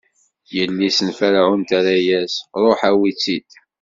Yelli-s n Ferɛun terra-as: Ruḥ awi-tt-id!